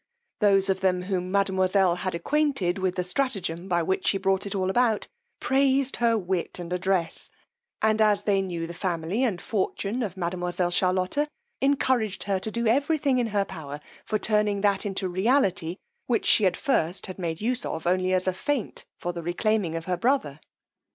Those of them whom mademoiselle had acquainted with the stratagem by which she brought it about, praised her wit and address; and as they knew the family and fortune of mademoiselle Charlotta, encouraged her to do every thing in her power for turning that into reality which she at first had made use of only as a feint for the reclaiming of her brother.